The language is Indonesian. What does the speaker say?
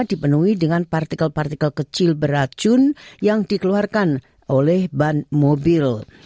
dipenuhi dengan partikel partikel kecil beracun yang dikeluarkan oleh ban mobil